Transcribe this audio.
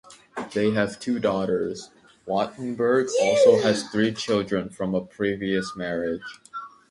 They have two daughters; Wattenburg also has three children from a previous marriage.